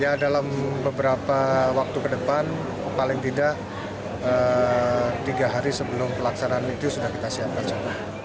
ya dalam beberapa waktu ke depan paling tidak tiga hari sebelum pelaksanaan itu sudah kita siapkan semua